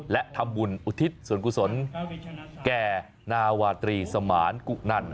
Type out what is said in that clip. และทำบุญอุทิศส่วนกุศลแก่นาวาตรีสมานกุนัน